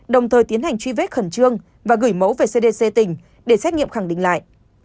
đồng thời tiến hành truy vết khẩn trương và gửi mẫu về cdc tỉnh để xét nghiệm khẳng định lại